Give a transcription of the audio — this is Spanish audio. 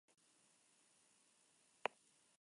Compuso, entre otras obras, el himno de Palencia.